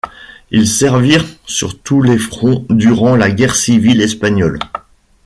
Ils servirent sur tous les fronts durant la guerre civile espagnole.